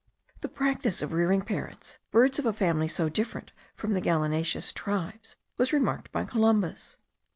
The practice of rearing parrots, birds of a family so different from the gallinaceous tribes, was remarked by Columbus.